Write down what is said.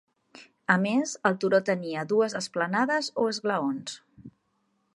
A més, el turó tenia dues esplanades o esglaons.